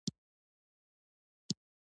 ازادي راډیو د سیاست د منفي اړخونو یادونه کړې.